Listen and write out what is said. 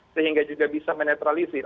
sehingga juga bisa menetralisir